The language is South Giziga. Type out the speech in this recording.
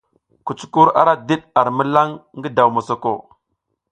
Kucukur ara diɗ ar milan ngi daw mosoko.